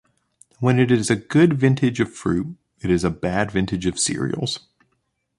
When it is a good vintage of fruit, it is a bad vintage of cereals.